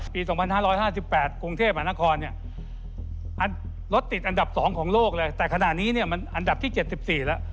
ปี๒๕๕๘กรุงเทพฯอาณาคอลรถติดอันดับ๒ของโลกแต่ขณะนี้อันดับที่๗๔แล้ว